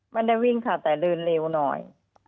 ไม่ได้วิ่งค่ะแต่เดินเร็วหน่อย